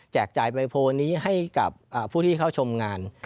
จ่ายใบโพลนี้ให้กับผู้ที่เข้าชมงาน